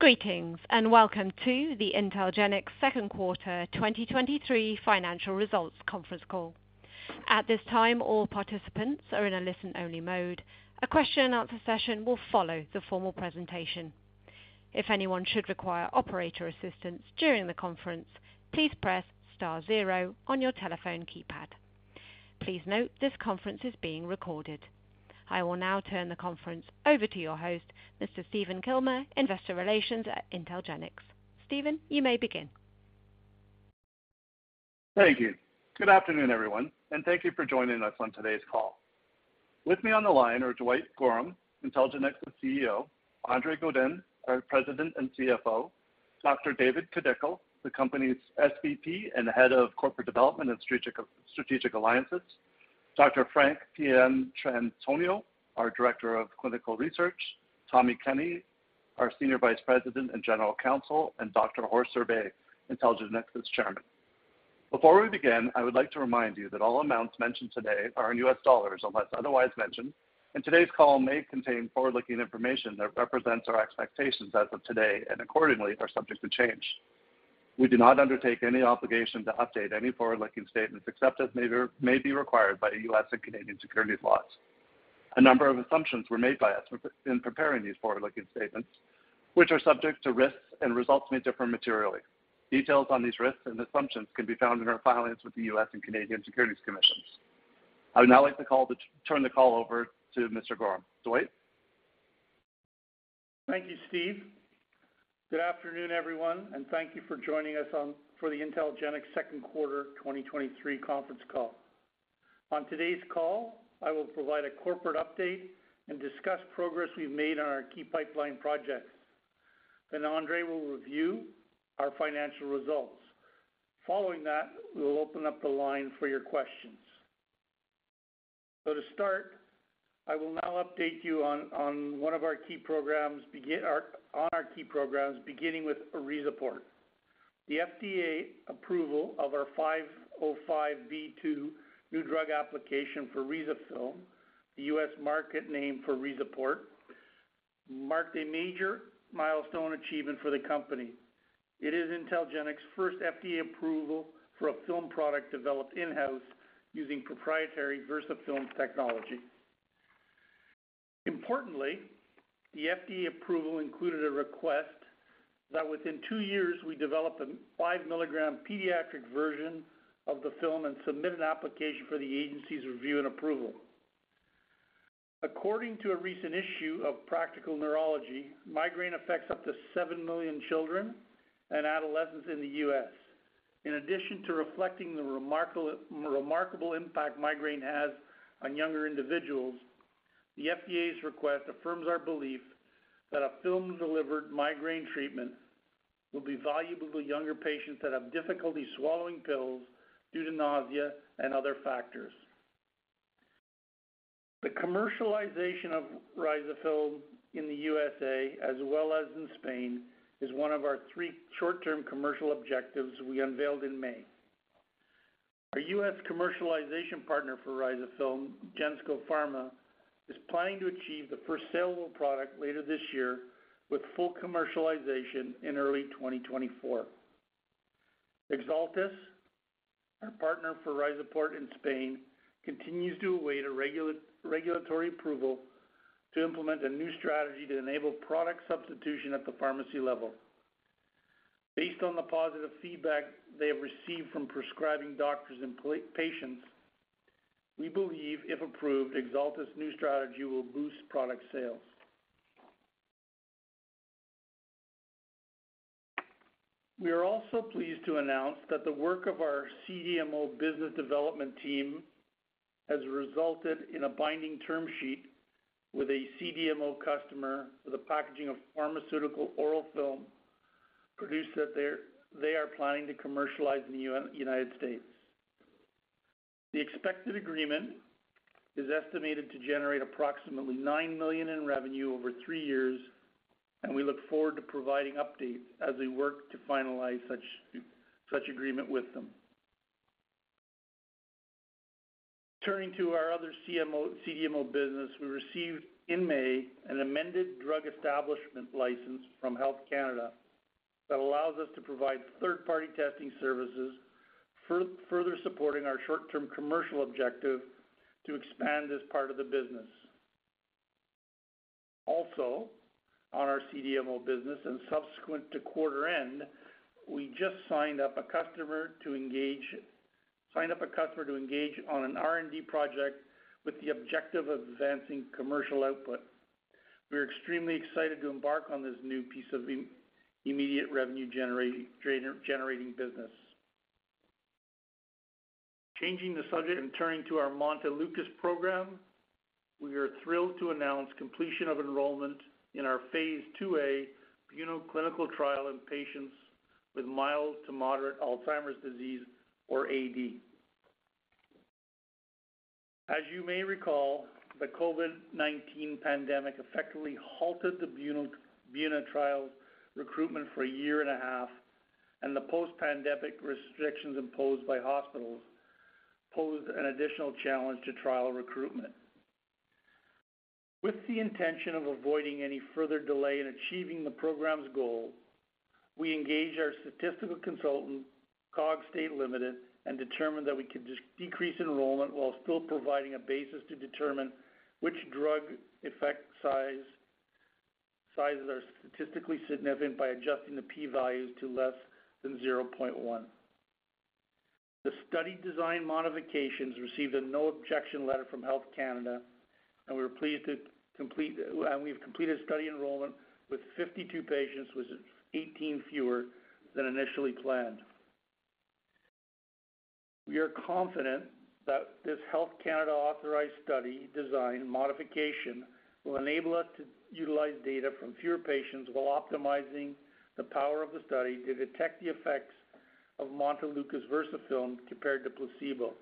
Greetings, welcome to the IntelGenx Second Quarter 2023 Financial Results Conference Call. At this time, all participants are in a listen-only mode. A question-and-answer session will follow the formal presentation. If anyone should require operator assistance during the conference, please press star 0 on your telephone keypad. Please note this conference is being recorded. I will now turn the conference over to your host, Mr. Stephen Kilmer, Investor Relations at IntelGenx. Steven, you may begin. Thank you. Good afternoon, everyone, and thank you for joining us on today's call. With me on the line are Dwight Gorham, IntelGenx's CEO; Andre Godin, our President and CFO; Dr. David Kideckel, the company's SVP and Head of Corporate Development and Strategic Alliances; Dr. Frank Pietrantonio, our Director of Clinical Research; Tommy Kenny, our Senior Vice President and General Counsel; and Dr. Horst Zerbe, IntelGenx's Chairman. Before we begin, I would like to remind you that all amounts mentioned today are in US dollars, unless otherwise mentioned, and today's call may contain forward-looking information that represents our expectations as of today and accordingly are subject to change. We do not undertake any obligation to update any forward-looking statements except as may be required by the U.S. and Canadian securities laws. A number of assumptions were made by us in preparing these forward-looking statements, which are subject to risks, and results may differ materially. Details on these risks and assumptions can be found in our filings with the US and Canadian Securities Commissions. I would now like to turn the call over to Mr. Gorham. Dwight? Thank you, Steve. Good afternoon, everyone, thank you for joining us for the IntelGenx Second Quarter 2023 conference call. On today's call, I will provide a corporate update and discuss progress we've made on our key pipeline projects. Andre will review our financial results. Following that, we will open up the line for your questions. To start, I will now update you on one of our key programs, beginning with RIZAPORT. The FDA approval of our 505(b)(2) new drug application for RIZAFILM, the U.S. market name for RIZAPORT, marked a major milestone achievement for the company. It is IntelGenx's first FDA approval for a film product developed in-house using proprietary VersaFilm technology. Importantly, the FDA approval included a request that within 2 years, we develop a 5 milligram pediatric version of the film and submit an application for the agency's review and approval. According to a recent issue of Practical Neurology, migraine affects up to 7 million children and adolescents in the US. In addition to reflecting the remarkable, remarkable impact migraine has on younger individuals, the FDA's request affirms our belief that a film-delivered migraine treatment will be valuable to younger patients that have difficulty swallowing pills due to nausea and other factors. The commercialization of RIZAFILM in the USA, as well as in Spain, is one of our 3 short-term commercial objectives we unveiled in May. Our US commercialization partner for RIZAFILM, Gensco Pharma, is planning to achieve the first saleable product later this year, with full commercialization in early 2024. Exeltis, our partner for RIZAPORT in Spain, continues to await regulatory approval to implement a new strategy to enable product substitution at the pharmacy level. Based on the positive feedback they have received from prescribing doctors and patients, we believe, if approved, Exeltis' new strategy will boost product sales. We are also pleased to announce that the work of our CDMO business development team has resulted in a binding term sheet with a CDMO customer for the packaging of pharmaceutical oral film produced that they're, they are planning to commercialize in the United States. The expected agreement is estimated to generate approximately $9 million in revenue over 3 years, and we look forward to providing updates as we work to finalize such, such agreement with them. Turning to our other CMO, CDMO business, we received in May an amended Drug Establishment Licence from Health Canada that allows us to provide third-party testing services, further supporting our short-term commercial objective to expand this part of the business. Also, on our CDMO business and subsequent to quarter end, we just signed up a customer to engage on an R&D project with the objective of advancing commercial output. We are extremely excited to embark on this new piece of immediate revenue generating business. Changing the subject and turning to our Montelukast program, we are thrilled to announce completion of enrollment in our phase 2a BUENA clinical trial in patients with mild to moderate Alzheimer's disease or AD. As you may recall, the COVID-19 pandemic effectively halted the BUENA, BUENA trial's recruitment for a year and a half, and the post-pandemic restrictions imposed by hospitals posed an additional challenge to trial recruitment. With the intention of avoiding any further delay in achieving the program's goal, we engaged our statistical consultant, Cogstate Ltd., and determined that we could just decrease enrollment while still providing a basis to determine which drug effect size, sizes are statistically significant by adjusting the p-values to less than 0.1. The study design modifications received a no objection letter from Health Canada, we've completed study enrollment with 52 patients, which is 18 fewer than initially planned. We are confident that this Health Canada authorized study design modification will enable us to utilize data from fewer patients while optimizing the power of the study to detect the effects of Montelukast VersaFilm compared to placebo.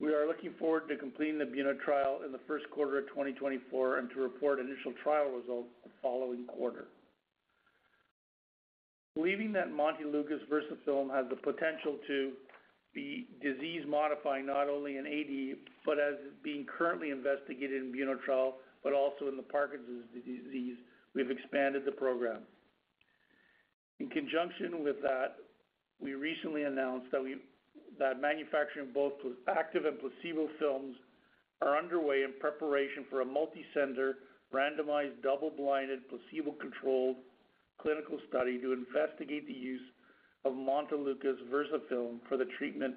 We are looking forward to completing the BUENA trial in the first quarter of 2024, to report initial trial results the following quarter. Believing that Montelukast VersaFilm has the potential to be disease-modifying, not only in AD, but as is being currently investigated in BUENA trial, but also in Parkinson's disease, we've expanded the program. In conjunction with that, we recently announced that manufacturing both active and placebo films are underway in preparation for a multicenter, randomized, double-blind, placebo-controlled clinical study to investigate the use of Montelukast VersaFilm for the treatment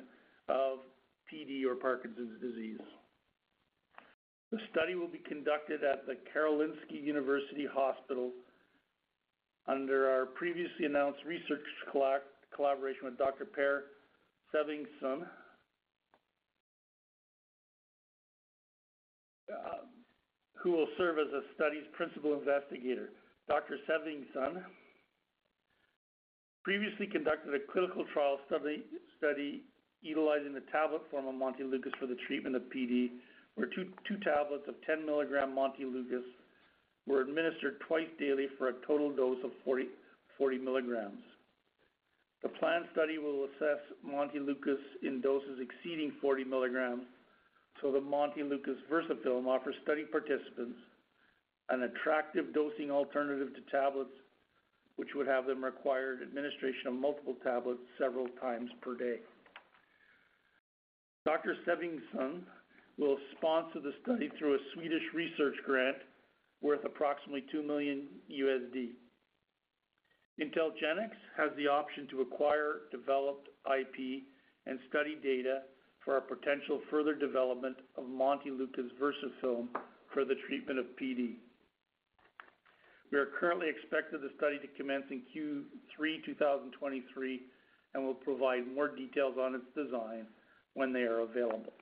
of PD or Parkinson's disease. The study will be conducted at the Karolinska University Hospital under our previously announced research collaboration with Dr. Per Svenningsson, who will serve as the study's principal investigator. Dr. Svenningsson previously conducted a clinical trial study utilizing the tablet form of Montelukast for the treatment of PD, where 2 tablets of 10 milligram Montelukast were administered twice daily for a total dose of 40 milligrams. The planned study will assess Montelukast in doses exceeding 40 milligrams. The Montelukast VersaFilm offers study participants an attractive dosing alternative to tablets, which would have them required administration of multiple tablets several times per day. Dr. Svenningsson will sponsor the study through a Swedish research grant worth approximately $2 million. IntelGenx has the option to acquire developed IP and study data for a potential further development of Montelukast VersaFilm for the treatment of PD. We are currently expected the study to commence in Q3 2023, and will provide more details on its design when they are available.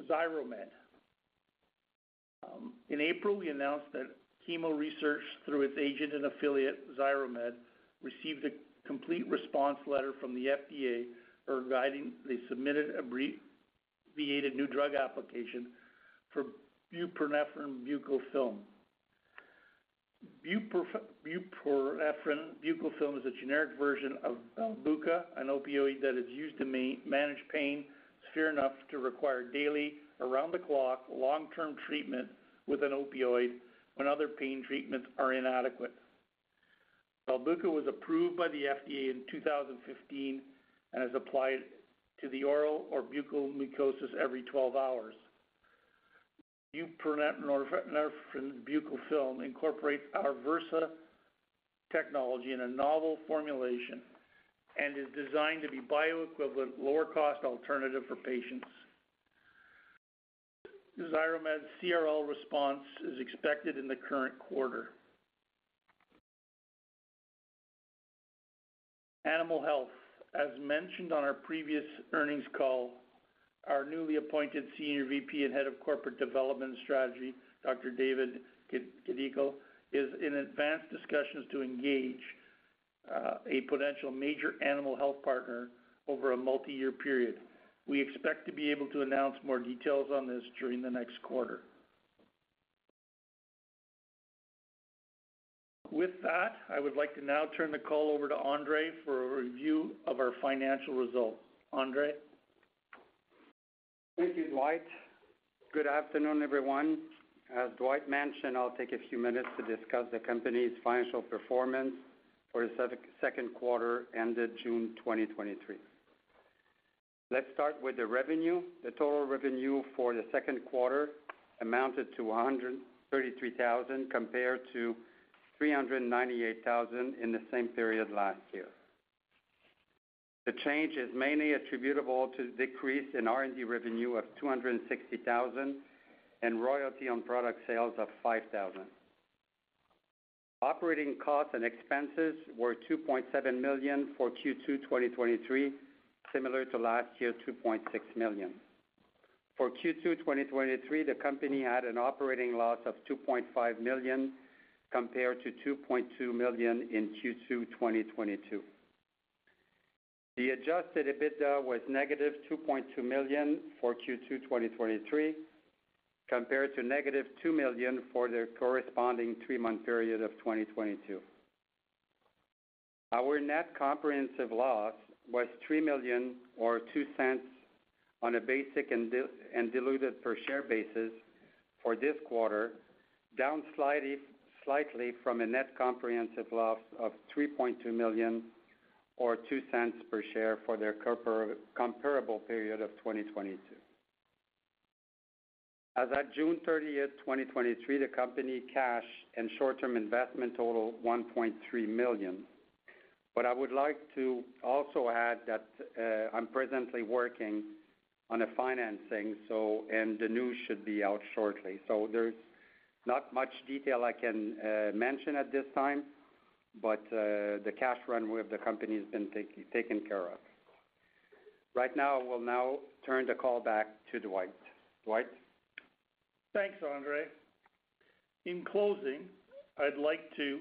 Xiromed. In April, we announced that Chemo Research, through its agent and affiliate, Xiromed, received a Complete Response Letter from the FDA regarding. They submitted an abbreviated new drug application for buprenorphine buccal film. Buprenorphine buccal film is a generic version of Belbuca, an opioid that is used to manage pain severe enough to require daily, around-the-clock, long-term treatment with an opioid when other pain treatments are inadequate. Belbuca was approved by the FDA in 2015 and is applied to the oral or buccal mucosa every 12 hours. Buprenorphine buccal film incorporates our VersaFilm technology in a novel formulation and is designed to be bioequivalent, lower-cost alternative for patients. Xiromed's CRL response is expected in the current quarter. Animal health. As mentioned on our previous earnings call, our newly appointed Senior VP and Head of Corporate Development Strategy, Dr. David Gidicco, is in advanced discussions to engage a potential major animal health partner over a multi-year period. We expect to be able to announce more details on this during the next quarter. With that, I would like to now turn the call over to Andre for a review of our financial results. Andre? Thank you, Dwight. Good afternoon, everyone. As Dwight mentioned, I'll take a few minutes to discuss the company's financial performance for the second quarter, ended June 2023. Let's start with the revenue. The total revenue for the second quarter amounted to $133,000, compared to $398,000 in the same period last year. The change is mainly attributable to decrease in R&D revenue of $260,000 and royalty on product sales of $5,000. Operating costs and expenses were $2.7 million for Q2 2023, similar to last year, $2.6 million. For Q2 2023, the company had an operating loss of $2.5 million, compared to $2.2 million in Q2 2022. The adjusted EBITDA was -$2.2 million for Q2 2023... compared to -$2 million for the corresponding three-month period of 2022. Our net comprehensive loss was $3 million or $0.02 on a basic and diluted per share basis for this quarter, down slightly, slightly from a net comprehensive loss of $3.2 million or $0.02 per share for their comparable period of 2022. As at June 30, 2023, the company cash and short-term investment total, $1.3 million. I would like to also add that, I'm presently working on a financing, so, and the news should be out shortly. There's not much detail I can mention at this time, but, the cash runway of the company has been taken care of. Right now, I will now turn the call back to Dwight. Dwight? Thanks, Andre. In closing, I'd like to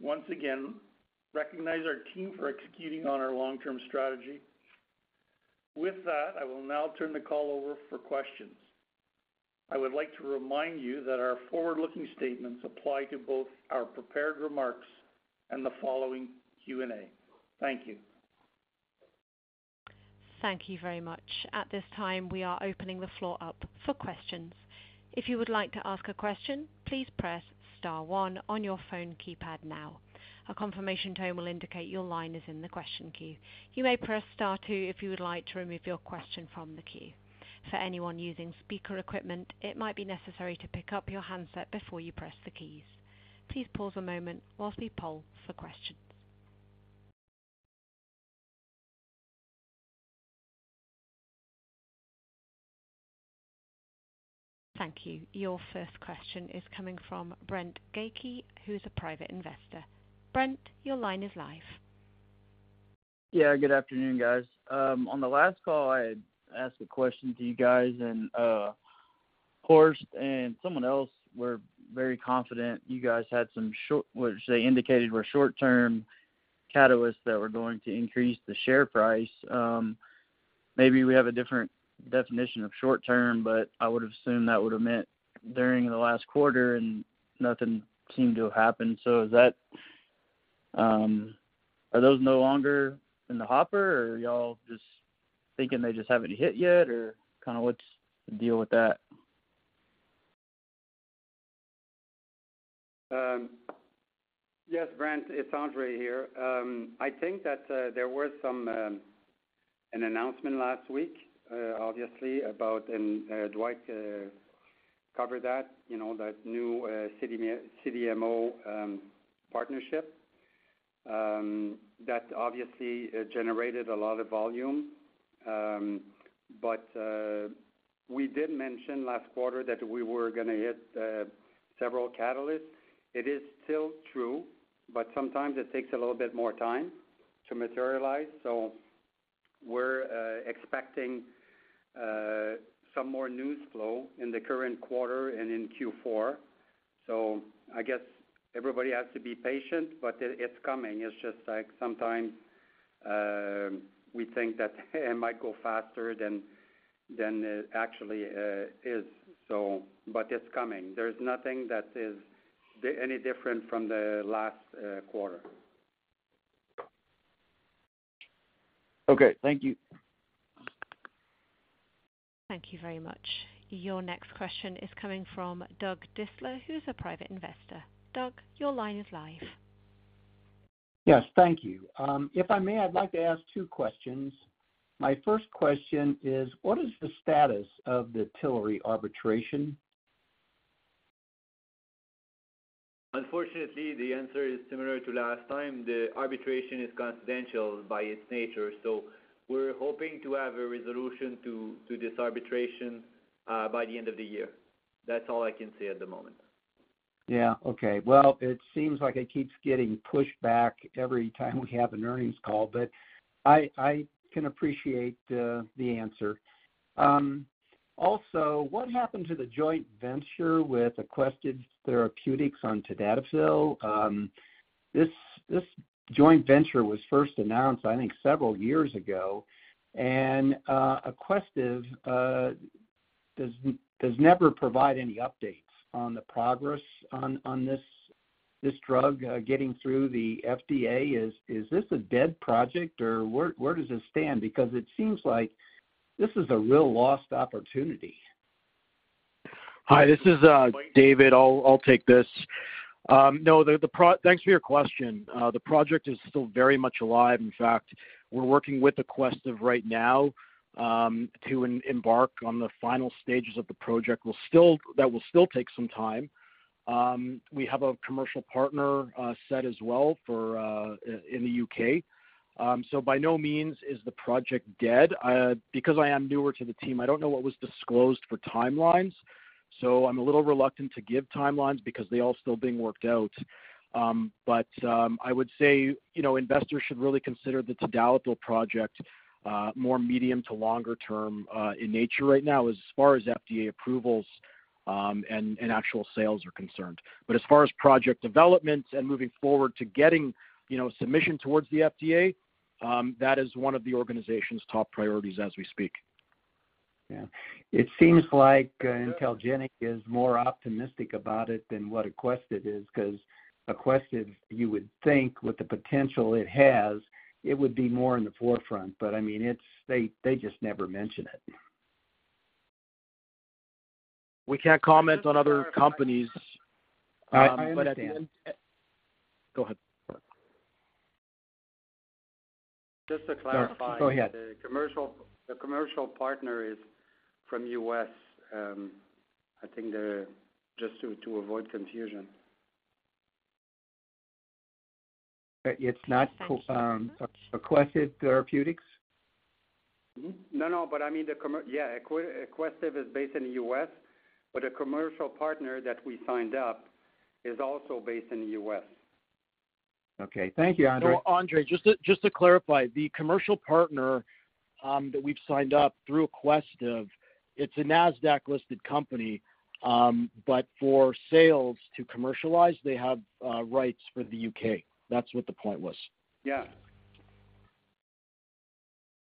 once again recognize our team for executing on our long-term strategy. With that, I will now turn the call over for questions. I would like to remind you that our forward-looking statements apply to both our prepared remarks and the following Q&A. Thank you. Thank you very much. At this time, we are opening the floor up for questions. If you would like to ask a question, please press star one on your phone keypad now. A confirmation tone will indicate your line is in the question queue. You may press star two if you would like to remove your question from the queue. For anyone using speaker equipment, it might be necessary to pick up your handset before you press the keys. Please pause a moment while we poll for questions. Thank you. Your first question is coming from Brent Gakey, who is a private investor. Brent, your line is live. Yeah, good afternoon, guys. On the last call, I had asked a question to you guys, and Horst and someone else were very confident you guys had some short, which they indicated were short-term catalysts that were going to increase the share price. Maybe we have a different definition of short term, but I would have assumed that would have meant during the last quarter, and nothing seemed to have happened. Are those no longer in the hopper, or y'all just thinking they just haven't hit yet? What's the deal with that? Yes, Brent, it's Andre here. I think that, there were some, an announcement last week, obviously, about, and, Dwight, covered that, you know, that new, CDMO, partnership. That obviously generated a lot of volume. We did mention last quarter that we were gonna hit, several catalysts. It is still true, but sometimes it takes a little bit more time to materialize. We're, expecting, some more news flow in the current quarter and in Q4. I guess everybody has to be patient, but it, it's coming. It's just like sometimes, we think that it might go faster than, than it actually, is. It's coming. There's nothing that is any different from the last, quarter. Okay, thank you. Thank you very much. Your next question is coming from Doug Distler, who is a private investor. Doug, your line is live. Yes, thank you. If I may, I'd like to ask 2 questions. My first question is: What is the status of the Tilray arbitration? Unfortunately, the answer is similar to last time. The arbitration is confidential by its nature, so we're hoping to have a resolution to, to this arbitration by the end of the year. That's all I can say at the moment. Yeah, okay. Well, it seems like it keeps getting pushed back every time we have an earnings call, but I, I can appreciate the answer. Also, what happened to the joint venture with Aquestive Therapeutics on tadalafil? This joint venture was first announced, I think, several years ago. Aquestive does never provide any updates on the progress on this drug getting through the FDA. Is this a dead project, or where does this stand? Because it seems like this is a real lost opportunity. Hi, this is David. I'll, I'll take this. No, thanks for your question. The project is still very much alive. In fact, we're working with Aquestive right now to embark on the final stages of the project. That will still take some time. We have a commercial partner set as well for in the UK. By no means is the project dead. Because I am newer to the team, I don't know what was disclosed for timelines, so I'm a little reluctant to give timelines because they're all still being worked out. I would say, you know, investors should really consider the tadalafil project more medium to longer term in nature right now, as far as FDA approvals and actual sales are concerned. As far as project development and moving forward to getting, you know, submission towards the FDA? That is one of the organization's top priorities as we speak. Yeah. It seems like IntelGenx is more optimistic about it than what Aquestive is, 'cause Aquestive, you would think with the potential it has, it would be more in the forefront. I mean, it's they, they just never mention it. We can't comment on other companies. At the end... I understand. Go ahead. Just to clarify. Go ahead. The commercial, the commercial partner is from U.S., I think they're just to, to avoid confusion. It's not, Aquestive Therapeutics? No, no, but I mean, Yeah, Aquestive is based in the U.S., but the commercial partner that we signed up is also based in the U.S. Okay. Thank you, Andre. Andre, just to, just to clarify, the commercial partner, that we've signed up through Aquestive, it's a NASDAQ-listed company, but for sales to commercialize, they have, rights for the U.K. That's what the point was. Yeah.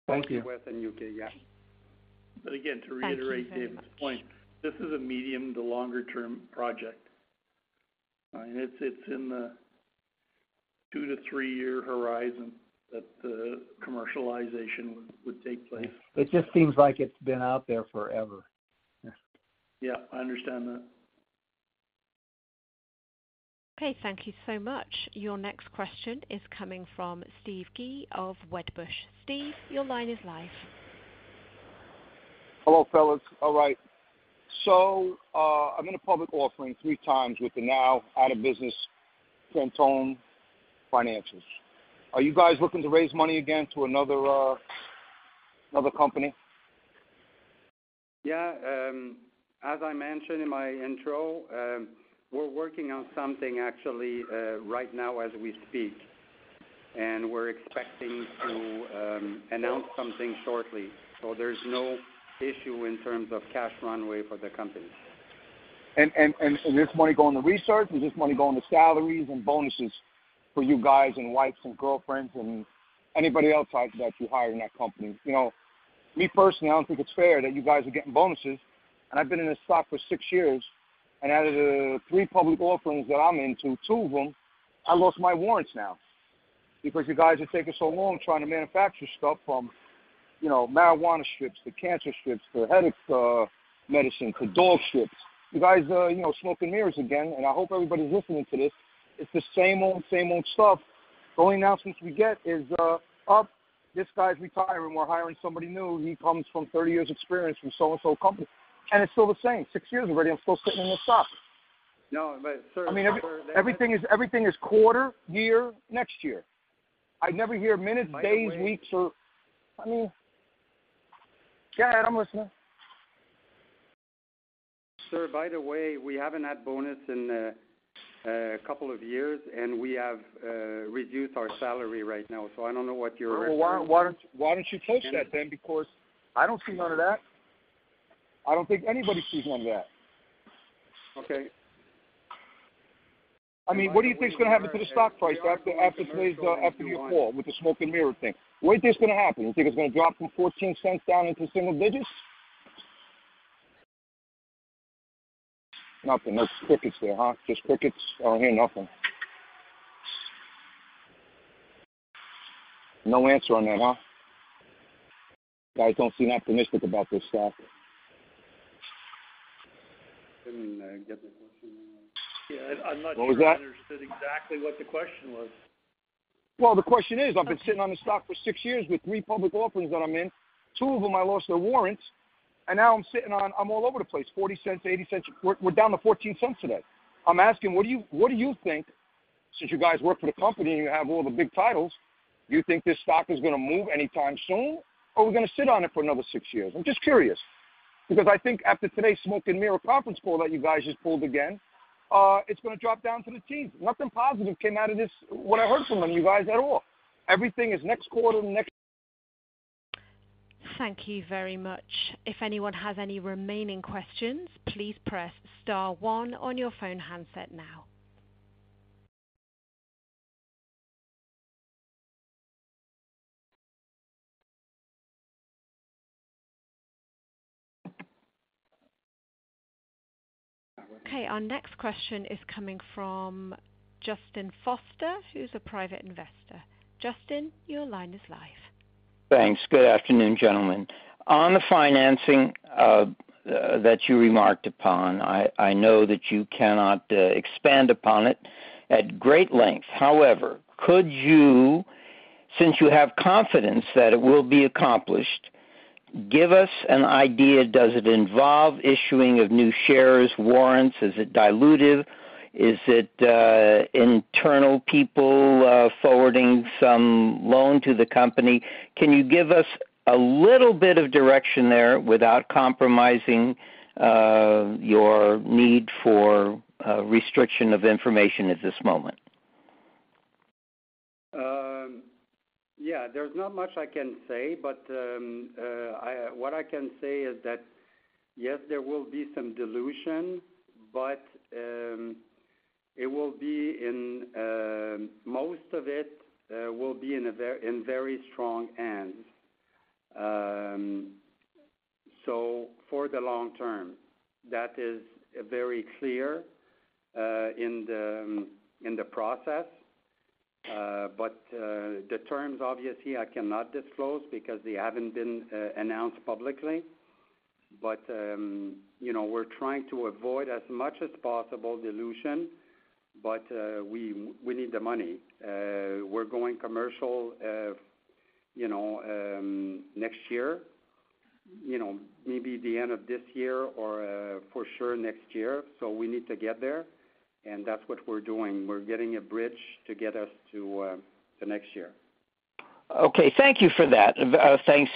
Thank you. U.S. U.K., yeah. Again, to reiterate David's point, this is a medium to longer term project. And it's, it's in the 2-3-year horizon that the commercialization would, would take place. It just seems like it's been out there forever. Yeah, I understand that. Okay, thank you so much. Your next question is coming from Stephen Gee of Wedbush. Steve, your line is live. Hello, fellas. All right. I've been a public offering three times with the now out of business Fantone financials. Are you guys looking to raise money again to another, another company? Yeah. As I mentioned in my intro, we're working on something actually, right now as we speak, and we're expecting to announce something shortly. There's no issue in terms of cash runway for the company. This money go on the research, or this money go on the salaries and bonuses for you guys and wives and girlfriends and anybody else that you hire in that company. You know, me personally, I don't think it's fair that you guys are getting bonuses, and I've been in this stock for six years, and out of the three public offerings that I'm into, two of them, I lost my warrants now. You guys are taking so long trying to manufacture stuff from, you know, marijuana strips to cancer strips, to headache medicine, to dog strips. You guys, you know, smoke and mirrors again, and I hope everybody's listening to this. It's the same old, same old stuff. The only announcements we get is, this guy's retiring, we're hiring somebody new. He comes from 30 years experience from so and so company, it's still the same. 6 years already, I'm still sitting in this stock. No, but sir- I mean, everything is, everything is quarter, year, next year. I never hear minutes, days, weeks, or... I mean, go ahead, I'm listening. Sir, by the way, we haven't had bonus in 2 years. We have reduced our salary right now. I don't know what you're referring to. Well, why, why, why don't you take that then? I don't see none of that. I don't think anybody sees none of that. Okay. I mean, what do you think is gonna happen to the stock price after, after today's, after your call with the smoke and mirror thing? What do you think is gonna happen? You think it's gonna drop from $0.14 down into single digits? Nothing. No crickets there, huh? Just crickets. I don't hear nothing. No answer on that, huh? You guys don't seem optimistic about this stock. I didn't get the question. Yeah, I'm not sure- What was that? I understood exactly what the question was. Well, the question is, I've been sitting on the stock for six years with three public offerings that I'm in. Two of them, I lost their warrants. Now I'm sitting on... I'm all over the place, $0.40, $0.80. We're, we're down to $0.14 today. I'm asking, what do you, what do you think, since you guys work for the company and you have all the big titles, do you think this stock is gonna move anytime soon, or are we gonna sit on it for another six years? I'm just curious, because I think after today's smoke and mirror conference call that you guys just pulled again, it's gonna drop down to the teeth. Nothing positive came out of this, what I heard from you guys at all. Everything is next quarter, next- Thank you very much. If anyone has any remaining questions, please press star one on your phone handset now. Our next question is coming from Justin Foster, who's a private investor. Justin, your line is live. Thanks. Good afternoon, gentlemen. On the financing that you remarked upon, I know that you cannot expand upon it at great length. However, could you, since you have confidence that it will be accomplished, give us an idea, does it involve issuing of new shares, warrants? Is it dilutive? Is it internal people forwarding some loan to the company? Can you give us a little bit of direction there without compromising your need for restriction of information at this moment? Yeah, there's not much I can say, but, what I can say is that, yes, there will be some dilution, but, it will be in, most of it, will be in very strong hands. For the long term, that is very clear, in the, in the process. The terms, obviously, I cannot disclose because they haven't been announced publicly. You know, we're trying to avoid as much as possible dilution, but, we, we need the money. We're going commercial, you know, next year, you know, maybe the end of this year or, for sure, next year. We need to get there, and that's what we're doing. We're getting a bridge to get us to, the next year. Okay. Thank you for that. Thanks,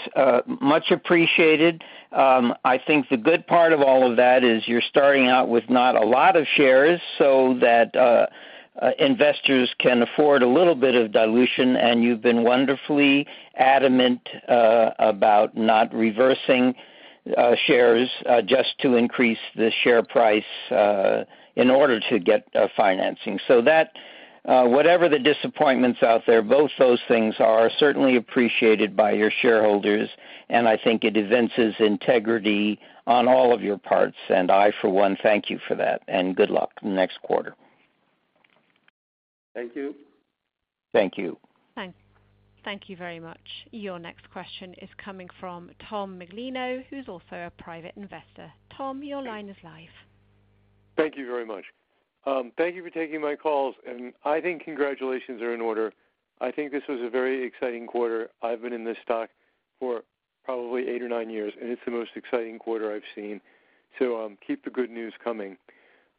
much appreciated. I think the good part of all of that is you're starting out with not a lot of shares, so that investors can afford a little bit of dilution, and you've been wonderfully adamant about not reversing shares just to increase the share price in order to get financing. That whatever the disappointments out there, both those things are certainly appreciated by your shareholders, and I think it evinces integrity on all of your parts. I, for one, thank you for that, and good luck next quarter. Thank you. Thank you. Thank you very much. Your next question is coming from Tom Miglino, who's also a private investor. Tom, your line is live. Thank you very much. Thank you for taking my calls, I think congratulations are in order. I think this was a very exciting quarter. I've been in this stock for probably eight or nine years, and it's the most exciting quarter I've seen. Keep the good news coming.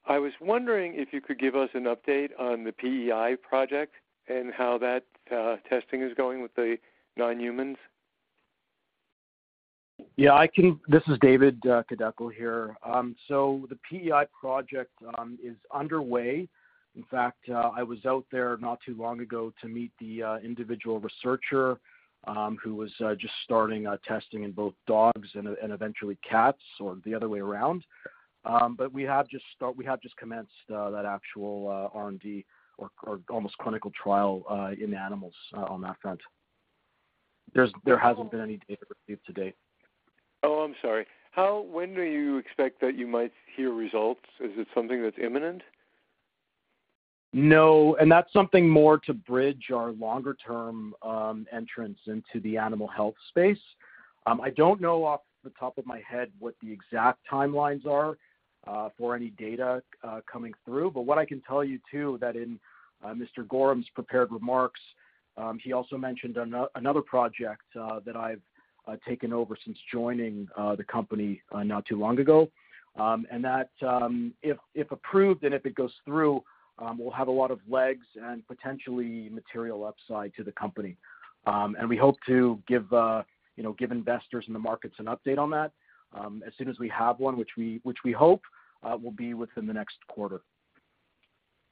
I was wondering if you could give us an update on the PEI project and how that testing is going with the non-humans. Yeah, I can. This is David Kideckel here. The PEI project is underway. In fact, I was out there not too long ago to meet the individual researcher, who was just starting testing in both dogs and, and eventually cats, or the other way around. We have just commenced that actual R&D or almost clinical trial in animals on that front. There's, there hasn't been any data received to date. Oh, I'm sorry. How, when do you expect that you might hear results? Is it something that's imminent? No, that's something more to bridge our longer-term entrance into the animal health space. I don't know off the top of my head what the exact timelines are for any data coming through. What I can tell you, too, that in Mr. Gorham's prepared remarks, he also mentioned another project that I've taken over since joining the company not too long ago. That, if, if approved and if it goes through, we'll have a lot of legs and potentially material upside to the company. We hope to give, you know, give investors in the markets an update on that as soon as we have one, which we hope will be within the next quarter.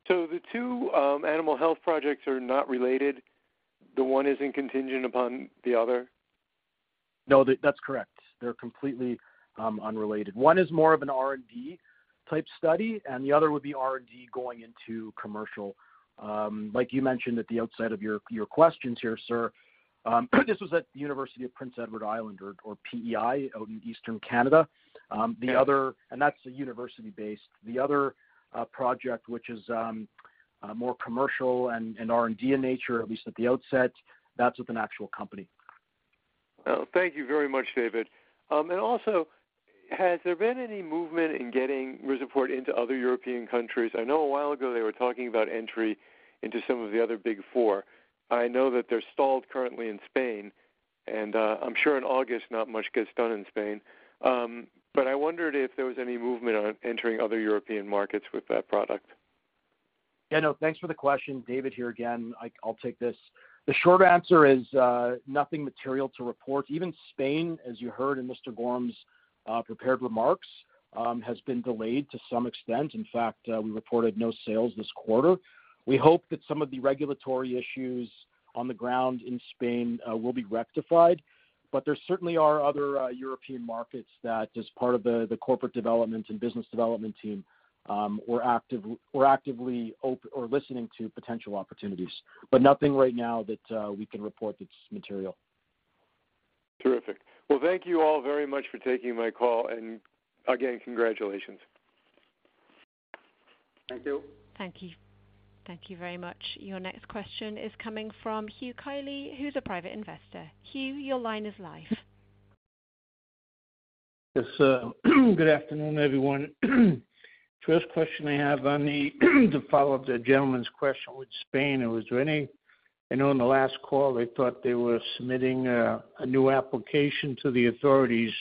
The two animal health projects are not related? The one isn't contingent upon the other? No, the... That's correct. They're completely unrelated. One is more of an R&D type study, and the other would be R&D going into commercial. Like you mentioned at the outside of your, your questions here, sir, this was at the University of Prince Edward Island or, or PEI, out in eastern Canada. The other- Yeah. That's a university-based. The other project, which is more commercial and, and R&D in nature, at least at the outset, that's with an actual company. Well, thank you very much, David. Also, has there been any movement in getting RIZAPORT into other European countries? I know a while ago they were talking about entry into some of the other big four. I know that they're stalled currently in Spain, and I'm sure in August, not much gets done in Spain. I wondered if there was any movement on entering other European markets with that product. Yeah, no, thanks for the question. David here again. I'll take this. The short answer is nothing material to report. Even Spain, as you heard in Mr. Gorham's prepared remarks, has been delayed to some extent. In fact, we reported no sales this quarter. We hope that some of the regulatory issues on the ground in Spain will be rectified, but there certainly are other European markets that, as part of the corporate development and business development team, we're actively listening to potential opportunities, but nothing right now that we can report that's material. Terrific. Well, thank you all very much for taking my call. Again, congratulations. Thank you. Thank you. Thank you very much. Your next question is coming from Hugh Kyle, who's a private investor. Hugh, your line is live. Yes, good afternoon, everyone. First question I have on the, to follow up the gentleman's question with Spain, and was there any... I know on the last call, they thought they were submitting a new application to the authorities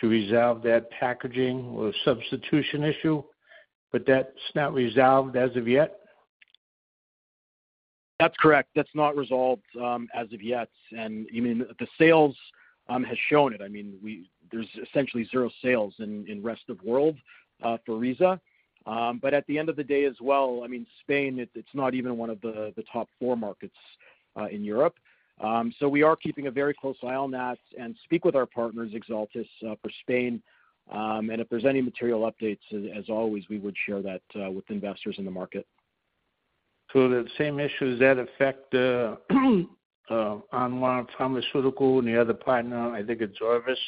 to resolve that packaging or substitution issue, but that's not resolved as of yet? That's correct. That's not resolved, as of yet. I mean, the sales has shown it. I mean, there's essentially zero sales in, in rest of world, for RIZA. At the end of the day as well, I mean, Spain, it, it's not even one of the, the top four markets in Europe. We are keeping a very close eye on that and speak with our partners, Exeltis, for Spain. If there's any material updates, as, as always, we would share that with investors in the market. The same issues that affect the online pharmaceutical and the other partner, I think it's Jarvis?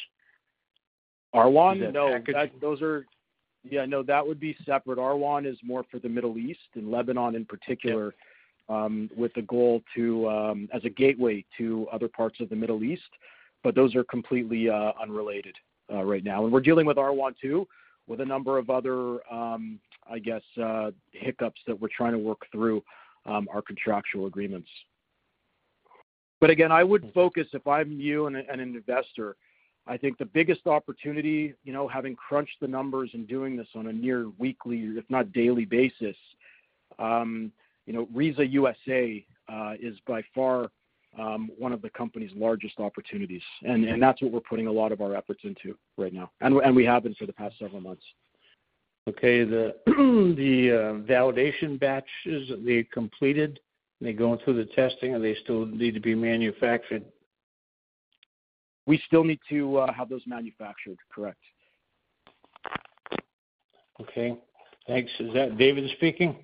ARWAN? No. Package- Yeah, no, that would be separate. ARWAN is more for the Middle East and Lebanon in particular. Yep. With the goal to, as a gateway to other parts of the Middle East, but those are completely unrelated right now. We're dealing with ARWAN, too, with a number of other, I guess, hiccups that we're trying to work through our contractual agreements. Again, I would focus, if I'm you and an investor, I think the biggest opportunity, you know, having crunched the numbers and doing this on a near weekly, if not daily basis, you know, Riza USA is by far one of the company's largest opportunities. That's what we're putting a lot of our efforts into right now, and we, and we have been for the past several months. Okay. The, the, validation batches, they completed, they going through the testing, or they still need to be manufactured? We still need to have those manufactured. Correct. Okay, thanks. Is that David speaking?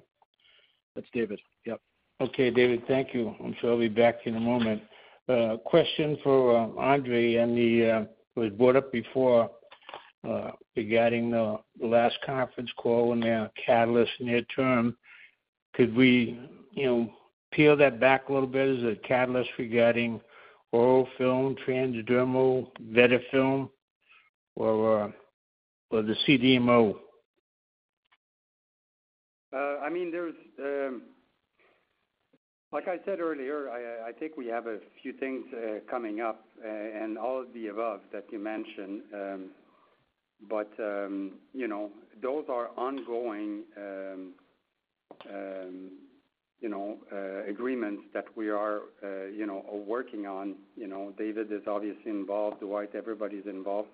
That's David. Yep. Okay, David, thank you. I'm sure I'll be back in a moment. Question for Andre. It was brought up before regarding the last conference call and the catalyst near term. Could we, you know, peel that back a little bit? Is the catalyst regarding oral film, transdermal, VetaFilm, or the CDMO? I mean, there's, like I said earlier, I, I think we have a few things coming up, and all of the above that you mentioned. You know, those are ongoing, you know, agreements that we are, you know, are working on. You know, David is obviously involved, Dwight, everybody's involved.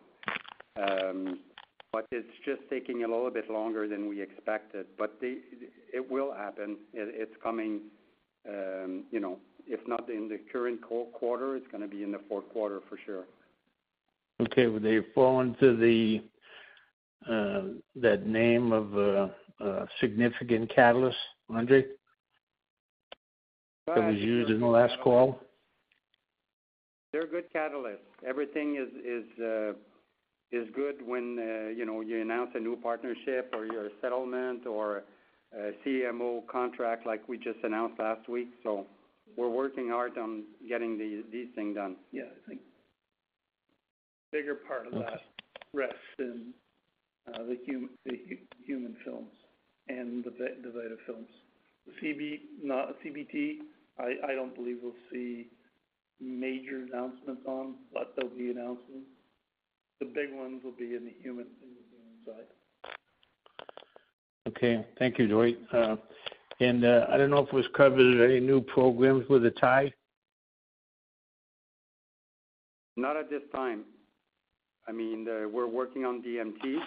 It's just taking a little bit longer than we expected. It will happen. It, it's coming, you know, if not in the current quarter, it's gonna be in the fourth quarter for sure. Okay. Would they fall into the, that name of a, a significant catalyst, Andre? Uh- That was used in the last call. They're good catalysts. Everything is, is, is good when, you know, you announce a new partnership or you're a settlement or a CMO contract like we just announced last week. We're working hard on getting these things done. Yeah. I think the bigger part of that rests in the human, the human films and the VetaFilms. The CBD, not CBT, I, I don't believe we'll see major announcements on, but there'll be announcements. The big ones will be in the human, in the human side. Okay. Thank you, Dwight. I don't know if it was covered, any new programs with the Tilray? Not at this time. I mean, the we're working on DMT.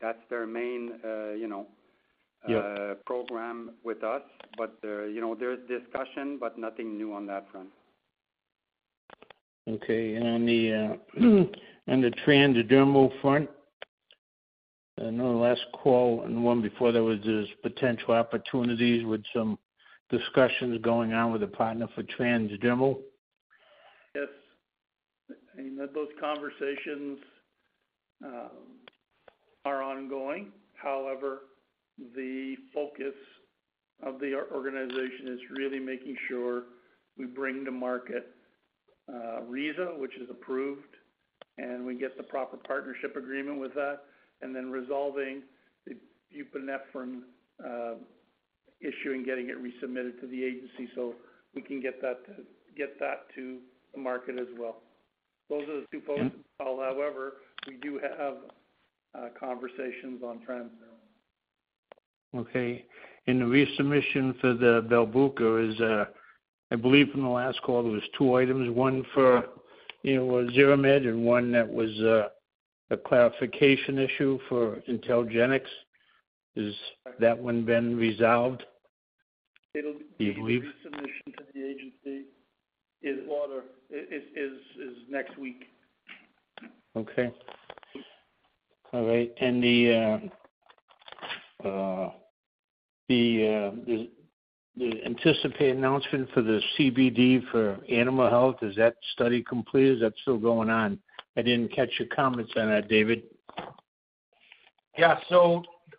That's their main, you know. Yep... program with us. You know, there's discussion, but nothing new on that front. Okay. On the, and the transdermal front, I know the last call and the one before there was this potential opportunities with some discussions going on with a partner for transdermal. Yes. I mean, those conversations are ongoing. However, the focus of the organization is really making sure we bring to market Reza, which is approved, and we get the proper partnership agreement with that, and then resolving the buprenorphine issue and getting it resubmitted to the agency so we can get that to the market as well. Those are the two focus. However, we do have conversations on transdermal. Okay. The resubmission for the Belbuca is, I believe in the last call, there was two items, one for, you know, Xiromed and one that was a clarification issue for IntelGenx. Is that one been resolved, do you believe? It'll be a resubmission to the agency. It is next week. Okay. All right. The anticipated announcement for the CBD for animal health, is that study completed? Is that still going on? I didn't catch your comments on that, David. Yeah.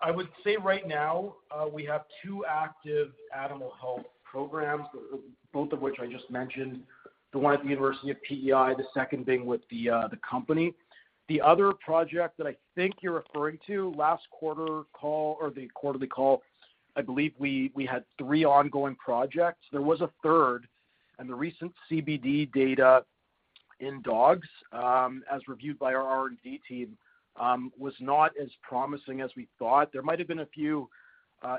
I would say right now, we have 2 active animal health programs, both of which I just mentioned, the one at the University of PEI, the second being with the, the company. The other project that I think you're referring to, last quarter call or the quarterly call, I believe we, we had 3 ongoing projects. There was a third, and the recent CBD data in dogs, as reviewed by our R&D team, was not as promising as we thought. There might have been a few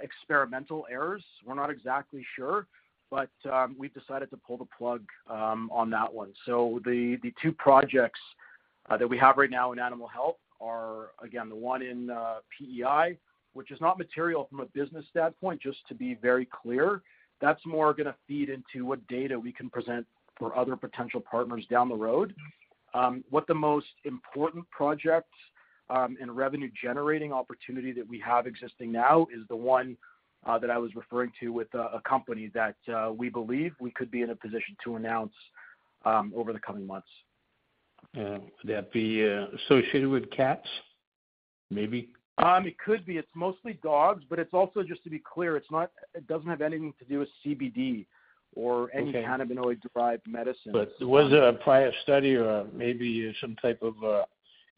experimental errors. We're not exactly sure, but we've decided to pull the plug on that one. The 2 projects that we have right now in animal health are, again, the one in PEI, which is not material from a business standpoint, just to be very clear. That's more gonna feed into what data we can present for other potential partners down the road. What the most important projects, and revenue-generating opportunity that we have existing now is the one, that I was referring to with a, a company that, we believe we could be in a position to announce, over the coming months. Yeah. Would that be, associated with cats, maybe? It could be. It's mostly dogs, but it's also, just to be clear, it doesn't have anything to do with CBD or- Okay. any cannabinoid-derived medicine. Was there a prior study or, maybe some type of a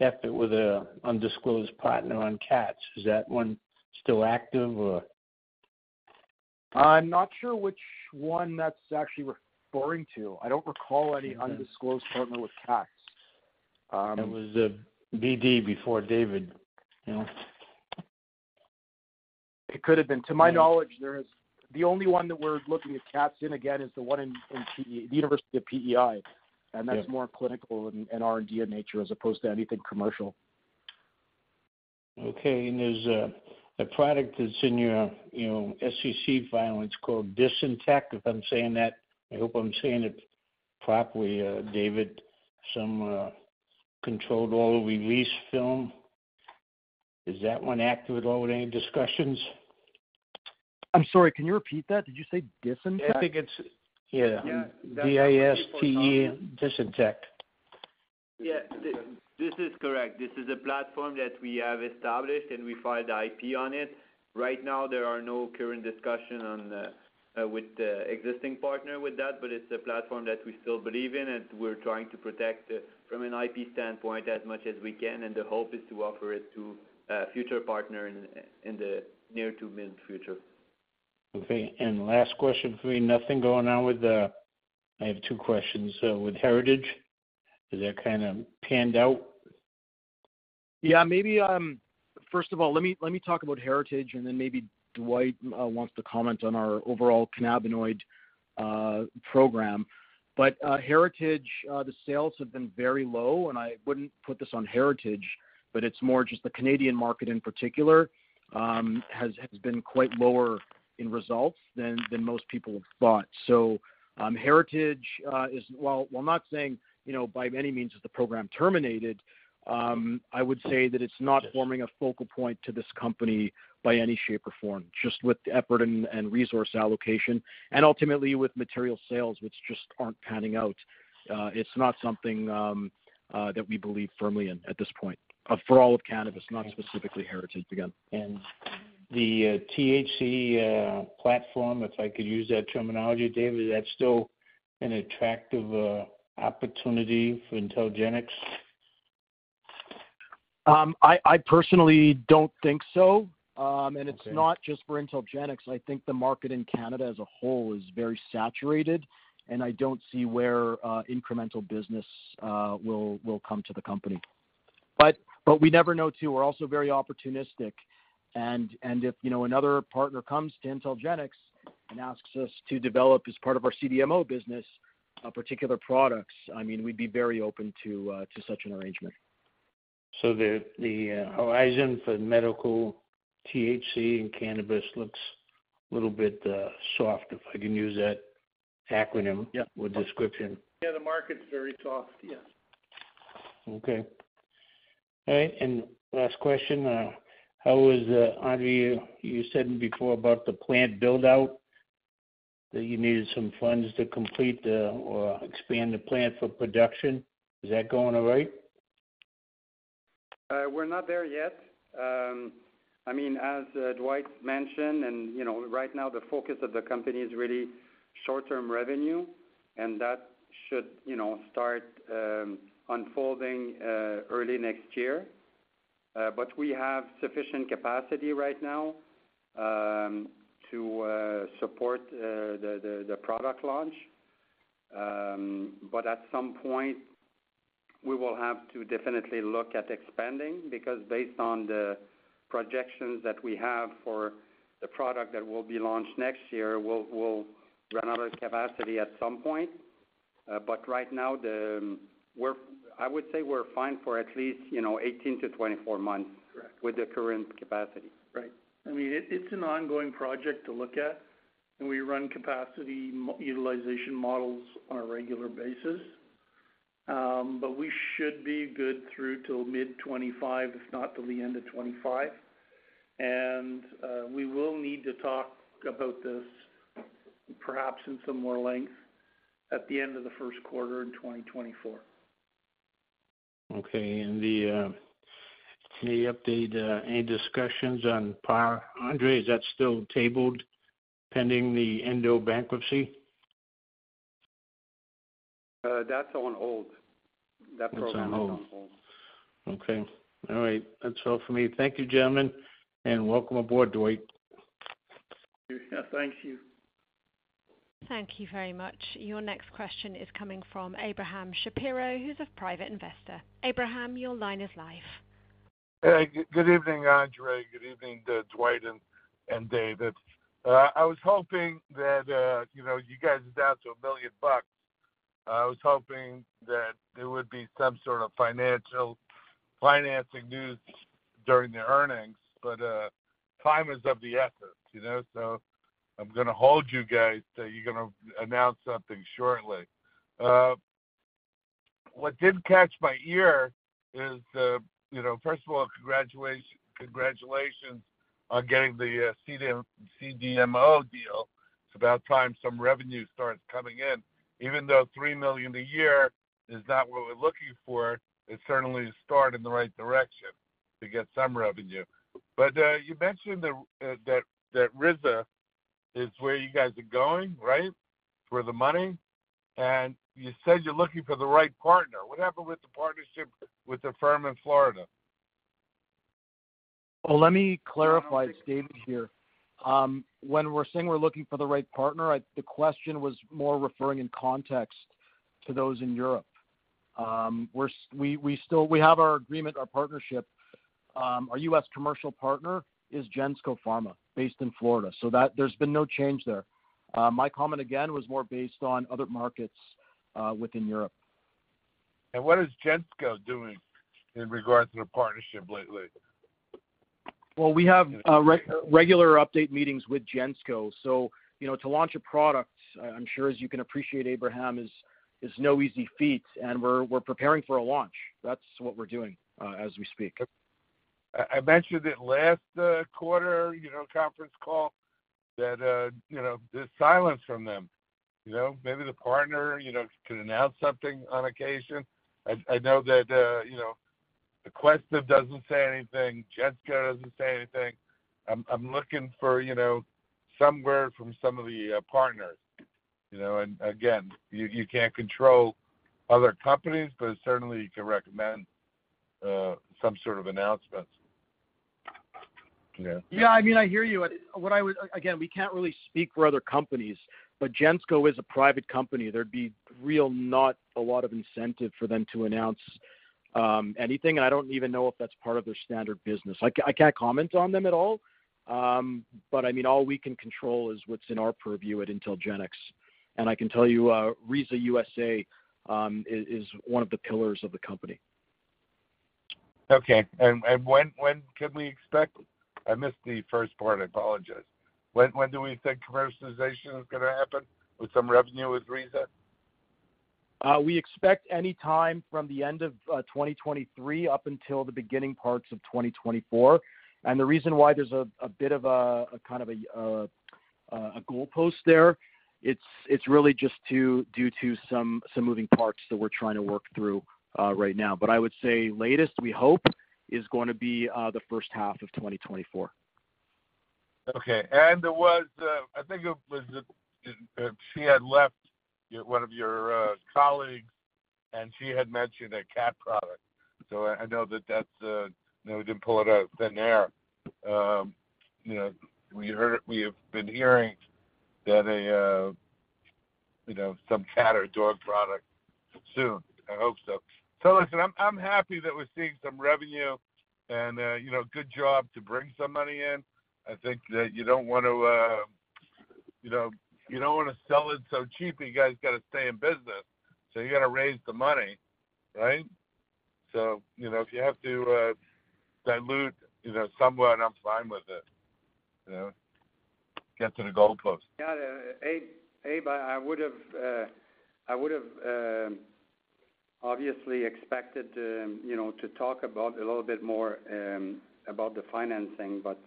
effort with a undisclosed partner on cats? Is that one still active, or? I'm not sure which one that's actually referring to. I don't recall any undisclosed partner with cats. It was, BD, before David, you know? It could have been. Yeah. To my knowledge, there is. The only one that we're looking at cats in, again, is the one in, in the University of PEI. Yeah. That's more clinical and, and R&D in nature, as opposed to anything commercial. Okay. There's a, a product that's in your, you know, SEC filing. It's called DisinteQ, if I'm saying that. I hope I'm saying it properly, David. Some controlled all release film. Is that one active at all with any discussions? I'm sorry, can you repeat that? Did you say DisinteQ? I think it's, yeah. Yeah. D-I-S-I-N, DisinteQ. Yeah, this, this is correct. This is a platform that we have established. We filed IP on it. Right now, there are no current discussion on the, with the existing partner with that. It's a platform that we still believe in. We're trying to protect it from an IP standpoint as much as we can. The hope is to offer it to a future partner in, in the near to mid-future. Okay, and last question for you. Nothing going on with the... I have 2 questions. With Heritage, is that kind of panned out? Yeah, maybe, first of all, let me, let me talk about Heritage, and then maybe Dwight wants to comment on our overall cannabinoid program. Heritage, the sales have been very low, and I wouldn't put this on Heritage, but it's more just the Canadian market, in particular, has been quite lower in results than most people have thought. Heritage is, while, while not saying, you know, by any means, is the program terminated, I would say that it's not forming a focal point to this company by any shape or form, just with the effort and resource allocation, and ultimately with material sales, which just aren't panning out. It's not something that we believe firmly in at this point, for all of cannabis, not specifically Heritage, again. The THC platform, if I could use that terminology, David, is that still an attractive opportunity for IntelGenx? I, I personally don't think so. Okay. It's not just for IntelGenx. I think the market in Canada as a whole is very saturated, and I don't see where incremental business will come to the company. But we never know, too. We're also very opportunistic. If, you know, another partner comes to IntelGenx and asks us to develop, as part of our CDMO business, a particular products, I mean, we'd be very open to such an arrangement. The, the, horizon for medical THC and cannabis looks a little bit, soft, if I can use that acronym. Yeah or description. Yeah, the market's very soft. Yeah. Okay. All right, last question, how was, Andre, you, you said before about the plant build-out, that you needed some funds to complete the, or expand the plant for production. Is that going all right? I mean, as Dwight mentioned, you know, right now, the focus of the company is really short-term revenue, and that should, you know, start unfolding early next year. But we have sufficient capacity right now to support the product launch. But at some point, we will have to definitely look at expanding, because based on the projections that we have for the product that will be launched next year, we'll run out of capacity at some point. But right now, I would say we're fine for at least, you know, 18-24 months Correct with the current capacity. Right. I mean, it, it's an ongoing project to look at, and we run capacity utilization models on a regular basis. We should be good through till mid-2025, if not till the end of 2025. We will need to talk about this perhaps in some more length at the end of the 1st quarter in 2024. Okay. The, any update, any discussions on Par, Andre, is that still tabled pending the Endo bankruptcy? That's on hold. That program- It's on hold. Is on hold. Okay. All right. That's all for me. Thank you, gentlemen, and welcome aboard, Dwight. Yeah, thank you. Thank you very much. Your next question is coming from Abraham Shapiro, who's a private investor. Abraham, your line is live. Hey, good evening, Andre. Good evening to Dwight and David. I was hoping that, you know, you guys is down to $1 billion. I was hoping that there would be some sort of financial financing news during the earnings, but, time is of the essence, you know? I'm gonna hold you guys, that you're gonna announce something shortly. What did catch my ear is, you know, first of all, congratulations, congratulations on getting the CDMO deal. It's about time some revenue starts coming in. Even though $3 million a year is not what we're looking for, it's certainly a start in the right direction to get some revenue. You mentioned that Riza is where you guys are going, right? For the money. You said you're looking for the right partner. What happened with the partnership with the firm in Florida? Well, let me clarify. It's David here. When we're saying we're looking for the right partner, the question was more referring in context to those in Europe. We, we still, we have our agreement, our partnership. Our U.S. commercial partner is Gensco Pharma, based in Florida, so that... There's been no change there. My comment, again, was more based on other markets, within Europe. What is Gensco doing in regards to the partnership lately? Well, we have regular update meetings with Gensco. You know, to launch a product, I'm sure, as you can appreciate, Abraham, is no easy feat, and we're preparing for a launch. That's what we're doing, as we speak. I, I mentioned it last, quarter, you know, conference call, that, you know, there's silence from them. You know, maybe the partner, you know, could announce something on occasion. I, I know that, you know, Aquestive doesn't say anything. Gensco doesn't say anything. I'm, I'm looking for, you know, some word from some of the, partners. Again, you, you can't control other companies, but certainly you can recommend, some sort of announcements. Yeah. Yeah, I mean, I hear you. Again, we can't really speak for other companies, but Gensco is a private company. There'd be real not a lot of incentive for them to announce anything. I don't even know if that's part of their standard business. I can't comment on them at all, but, I mean, all we can control is what's in our purview at IntelGenx. I can tell you, Riza USA is one of the pillars of the company. Okay. When can we expect? I missed the first part, I apologize. When do we think commercialization is gonna happen with some revenue with Riza? We expect any time from the end of 2023 up until the beginning parts of 2024. The reason why there's a, a bit of a, a kind of a goalpost there, it's, it's really just due to some, some moving parts that we're trying to work through right now. I would say latest, we hope, is going to be the first half of 2024. Okay. There was, I think it was, she had left, one of your colleagues, and she had mentioned a cat product. I know that that's, you know, we didn't pull it out of thin air. You know, we have been hearing that a, you know, some cat or dog product soon. I hope so. Listen, I'm, I'm happy that we're seeing some revenue and, you know, good job to bring some money in. I think that you don't want to, you know, you don't want to sell it so cheap, you guys got to stay in business, so you got to raise the money, right? You know, if you have to, dilute, you know, somewhat, I'm fine with it, you know? Get to the goalpost. Yeah. Abe, Abe, I would've, I would've, obviously expected, you know, to talk about a little bit more, about the financing, but,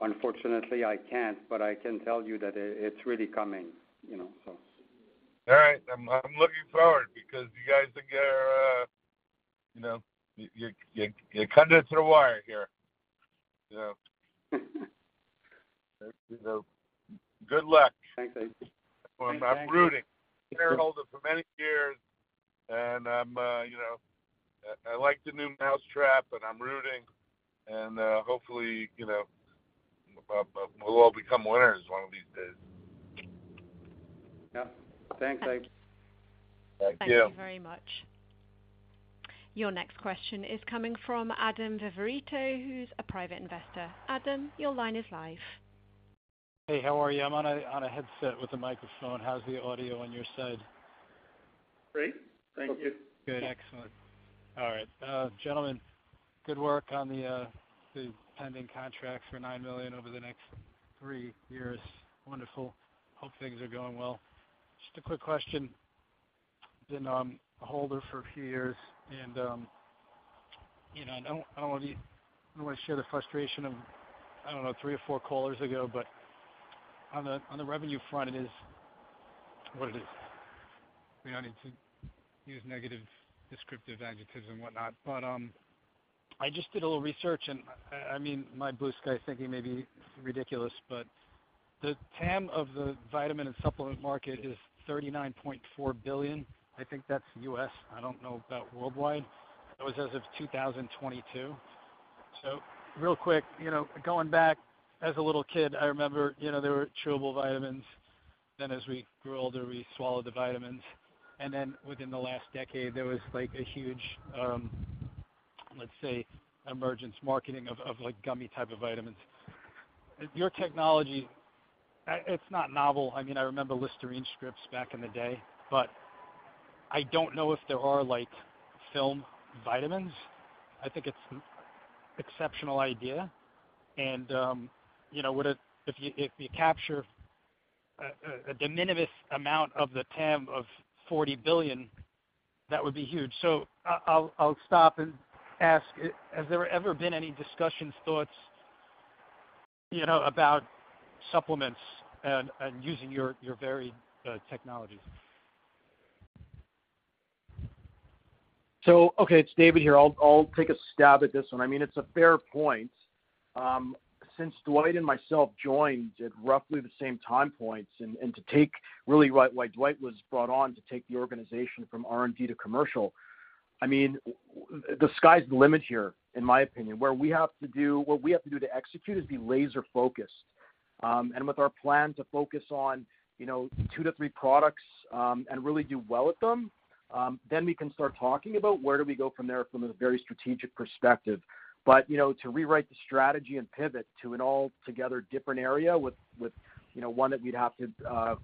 unfortunately, I can't. I can tell you that it, it's really coming, you know, so. All right. I'm, I'm looking forward because you guys are gonna, you know, you're, you're, you're cutting it to the wire here. You know. Good luck. Thanks, Abe. I'm rooting. Shareholder for many years, and I'm, you know, I, I like the new mousetrap, and I'm rooting, and, hopefully, you know, we'll all become winners one of these days. Yeah. Thanks, Abe. Thank you. Thank you very much. Your next question is coming from Adam Viverito, who's a private investor. Adam, your line is live. Hey, how are you? I'm on a, on a headset with a microphone. How's the audio on your side? Great. Thank you. Good. Excellent. All right. Gentlemen, good work on the pending contract for $9 million over the next 3 years. Wonderful. Hope things are going well. Just a quick question, been a holder for a few years and, you know, I don't, I don't want to, I don't want to share the frustration of, I don't know, 3 or 4 callers ago, on the revenue front, it is what it is. We don't need to use negative descriptive adjectives and whatnot. I just did a little research, and, I mean, my blue sky thinking may be ridiculous, the TAM of the vitamin and supplement market is $39.4 billion. I think that's US. I don't know about worldwide. It was as of 2022. Real quick, you know, going back as a little kid, I remember, you know, there were chewable vitamins. As we grew older, we swallowed the vitamins, and then within the last decade, there was, like, a huge, let's say, emergence marketing of, of, like, gummy type of vitamins. Your technology, it's not novel. I mean, I remember Listerine strips back in the day, but I don't know if there are like, film vitamins. I think it's an exceptional idea, and, you know, if you, if you capture a, a, a de minimis amount of the TAM of 40 billion, that would be huge. I, I'll, I'll stop and ask: Has there ever been any discussions, thoughts, you know, about supplements and, and using your, your very technology? Okay, it's David here. I'll, I'll take a stab at this one. I mean, it's a fair point. Since Dwight and myself joined at roughly the same time points, and to take really right, why Dwight was brought on to take the organization from R&D to commercial, I mean, the sky's the limit here, in my opinion. What we have to do to execute is be laser-focused. And with our plan to focus on, you know, two to three products, and really do well with them, then we can start talking about where do we go from there from a very strategic perspective. You know, to rewrite the strategy and pivot to an altogether different area with, with, you know, one that we'd have to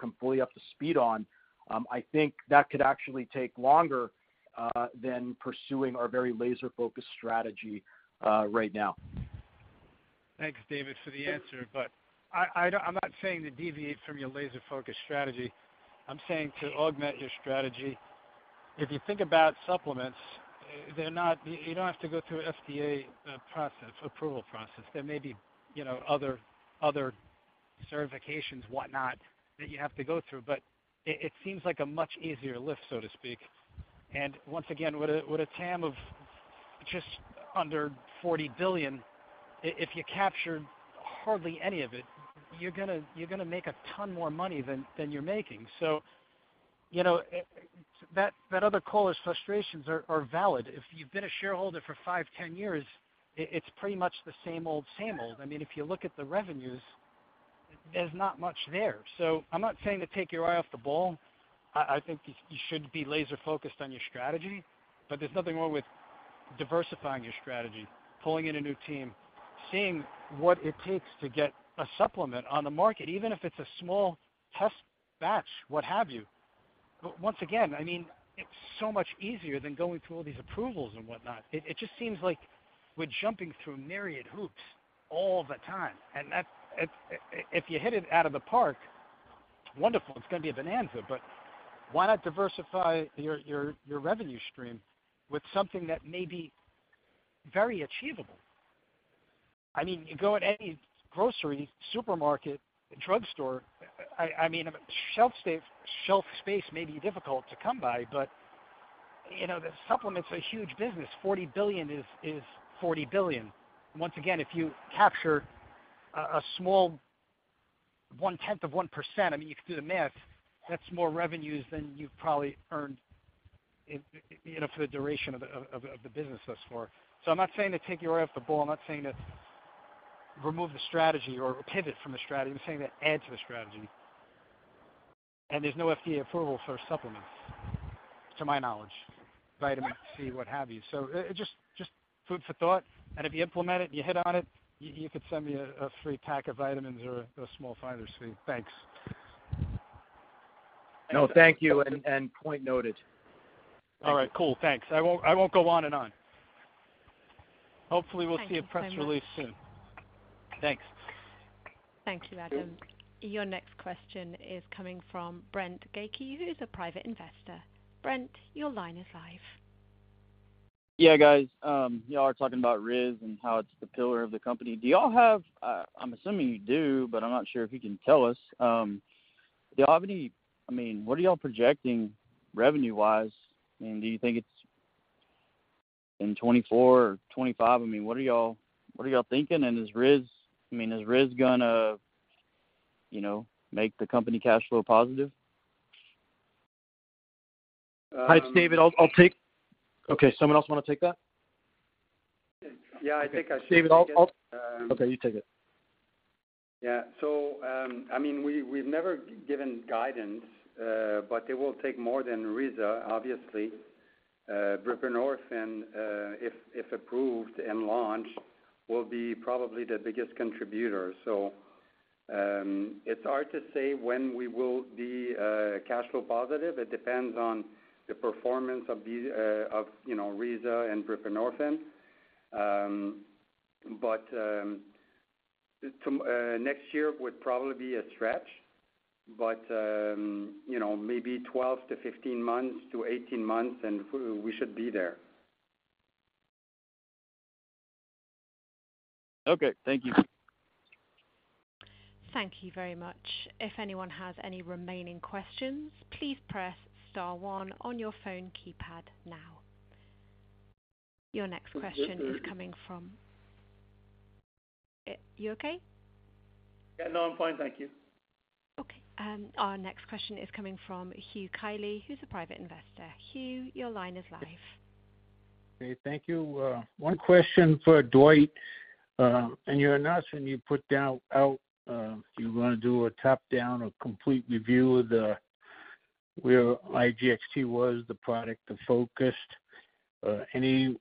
come fully up to speed on, I think that could actually take longer than pursuing our very laser-focused strategy right now. Thanks, David, for the answer, but I, I don't I'm not saying to deviate from your laser-focused strategy. I'm saying to augment your strategy. If you think about supplements, they're not, you, you don't have to go through an FDA process, approval process. There may be, you know, other, other certifications, whatnot, that you have to go through, but it, it seems like a much easier lift, so to speak. Once again, with a, with a TAM of just under $40 billion, if you capture hardly any of it, you're gonna, you're gonna make a ton more money than, than you're making. You know, that, that other caller's frustrations are, are valid. If you've been a shareholder for five, 10 years, it, it's pretty much the same old, same old. I mean, if you look at the revenues, there's not much there. I'm not saying to take your eye off the ball. I, I think you, you should be laser-focused on your strategy, but there's nothing wrong with diversifying your strategy, pulling in a new team, seeing what it takes to get a supplement on the market, even if it's a small test batch, what have you. Once again, I mean, it's so much easier than going through all these approvals and whatnot. It, it just seems like we're jumping through myriad hoops all the time, if you hit it out of the park, wonderful, it's going to be a bonanza. Why not diversify your, your, your revenue stream with something that may be very achievable? I mean, you go in any grocery, supermarket, drugstore, I, I mean, shelf space, shelf space may be difficult to come by, but, you know, the supplement's a huge business. $40 billion is, is $40 billion. Once again, if you capture a, a small 0.1%, I mean, you can do the math, that's more revenues than you've probably earned in, you know, for the duration of the, of, of the business thus far. I'm not saying to take your eye off the ball. I'm not saying to remove the strategy or pivot from the strategy. I'm saying to add to the strategy. There's no FDA approval for supplements, to my knowledge, vitamin C, what have you. It just, just food for thought. If you implement it, you hit on it, you, you could send me a, a free pack of vitamins or a small finder's fee. Thanks. No, thank you. Point noted. All right, cool. Thanks. I won't, I won't go on and on. Hopefully, we'll see a press release soon. Thank you, Adam. Thanks. Thank you, Adam. Your next question is coming from Brent Gakey, who's a private investor. Brent, your line is live. Yeah, guys. Y'all are talking about RIZ and how it's the pillar of the company. Do y'all have, I'm assuming you do, but I'm not sure if you can tell us. Do y'all have any... I mean, what are y'all projecting revenue-wise, and do you think it's in 2024 or 2025? I mean, what are y'all, what are y'all thinking, and is RIZ, I mean, is RIZ gonna, you know, make the company cash flow positive? Hi, David. I'll take. Okay, someone else want to take that? Yeah, I think I should take it. David, I'll. Okay, you take it. Yeah. I mean, we, we've never given guidance, but it will take more than Riza, obviously. buprenorphine, if, if approved and launched, will be probably the biggest contributor. It's hard to say when we will be cash flow positive. It depends on the performance of these, of, you know, Riza and buprenorphine. Some, next year would probably be a stretch, but, you know, maybe 12 to 15 months to 18 months, and we, we should be there. Okay, thank you. Thank you very much. If anyone has any remaining questions, please press star one on your phone keypad now. Your next question is coming from-... You okay? Yeah, no, I'm fine, thank you. Okay, our next question is coming from Hugh Kyle, who's a private investor. Hugh, your line is live. Okay, thank you. One question for Dwight. In your announcement, you put down out, you want to do a top-down or complete review of the, where IGXT was, the product, the focus. Any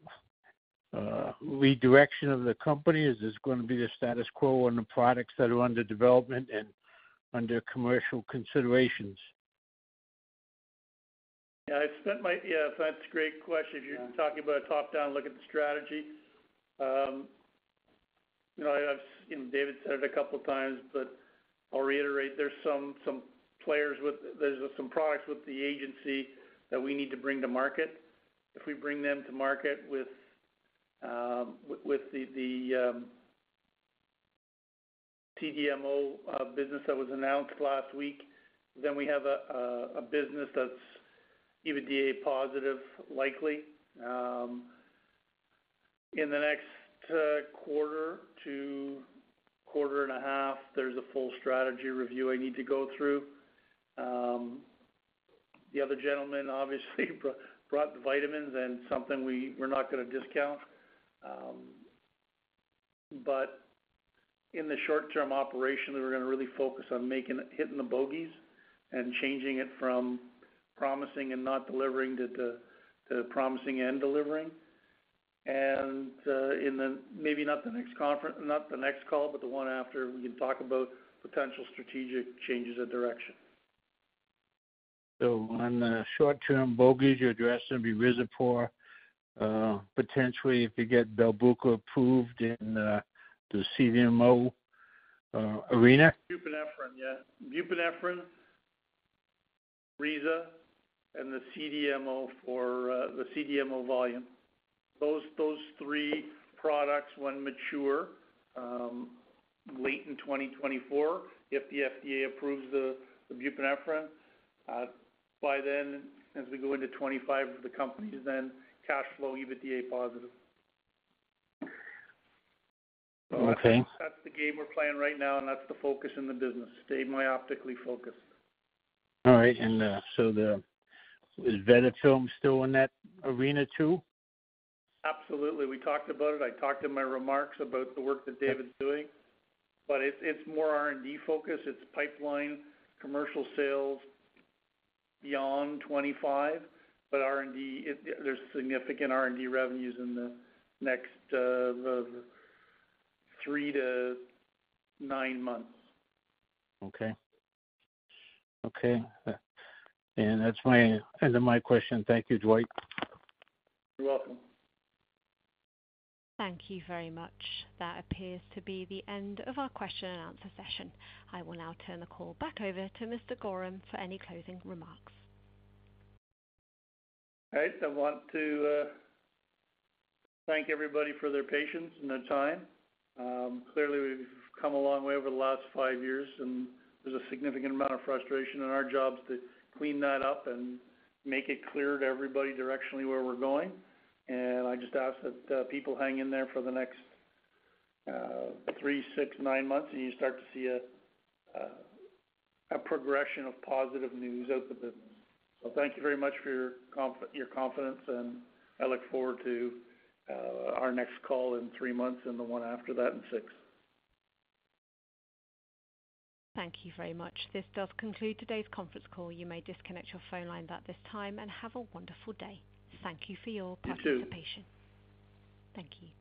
redirection of the company, is this going to be the status quo on the products that are under development and under commercial considerations? Yeah, that might be a, that's a great question. You know, I've, and David said it a couple of times, but I'll reiterate, there's some, some players with, there's some products with the agency that we need to bring to market. If we bring them to market with, with, with the, the, CDMO business that was announced last week, then we have a business that's EBITDA positive, likely. In the next quarter to 1.5 quarters, there's a full strategy review I need to go through. The other gentleman obviously brought, brought the vitamins and something we're not going to discount. In the short-term operation, we're going to really focus on making, hitting the bogeys and changing it from promising and not delivering to the, to the promising and delivering. In the maybe not the next conference, not the next call, but the one after, we can talk about potential strategic changes of direction. On the short term bogeys, you're addressing be RIZAPORT, potentially, if you get Belbuca approved in the CDMO arena? Bupivacaine, yeah. Bupivacaine, Riza, and the CDMO for the CDMO volume. Those, those three products, when mature, late in 2024, if the FDA approves the bupivacaine by then, as we go into 25 for the company, then cash flow, EBITDA positive. Okay. That's the game we're playing right now, that's the focus in the business. Stay myopically focused. All right. So the, is VELTROM still in that arena, too? Absolutely. We talked about it. I talked in my remarks about the work that David's doing. It's more R&D focus. It's pipeline, commercial sales beyond 25. R&D, there's significant R&D revenues in the next 3 to 9 months. Okay. Okay. That's my end of my question. Thank you, Dwight. You're welcome. Thank you very much. That appears to be the end of our question and answer session. I will now turn the call back over to Mr. Gorham for any closing remarks. All right. I want to thank everybody for their patience and their time. Clearly, we've come a long way over the last five years, and there's a significant amount of frustration in our jobs to clean that up and make it clear to everybody directionally where we're going. I just ask that people hang in there for the next three, six, nine months, and you start to see a progression of positive news out the business. Thank you very much for your confidence, and I look forward to our next call in three months and the one after that in six. Thank you very much. This does conclude today's conference call. You may disconnect your phone lines at this time and have a wonderful day. Thank you for your participation. Thank you. Thank you.